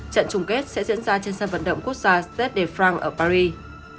trận trùng kết sẽ diễn ra trên sân vận động quốc gia stade de france ở paris